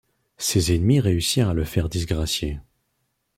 Ses ennemis réussirent à le faire disgracier.